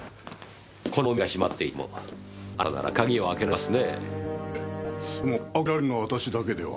このお店が閉まっていてもあなたなら鍵を開けられますね？